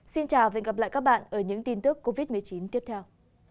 xin chào và hẹn gặp lại các bạn ở những tin tức covid một mươi chín tiếp theo